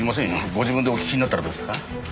ご自分でお聞きになったらどうですか？